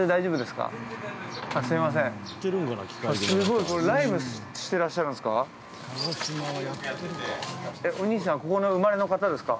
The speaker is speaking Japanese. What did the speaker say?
すごい、これライブしてらっしゃるんですか。